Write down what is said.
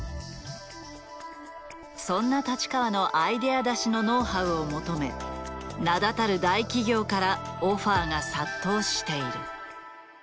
そんな太刀川のアイデア出しのノウハウを求め名だたる大企業からオファーが殺到している。